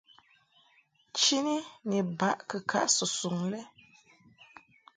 Chini ni baʼ kɨkaʼ susuŋ lɛ.